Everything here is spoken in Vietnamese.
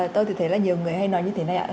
tôi thì thấy là nhiều người hay nói như thế này ạ